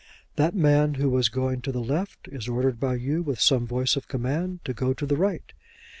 That man who was going to the left is ordered by you with some voice of command to go to the right.